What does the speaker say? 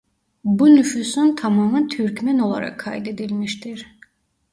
Bu nüfusun tamamı Türkmen olarak kaydedilmiştir.